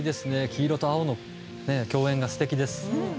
黄色と青の共演が素敵です。